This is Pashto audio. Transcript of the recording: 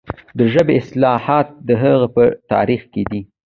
د ژبې اصالت د هغې په تاریخ کې دی.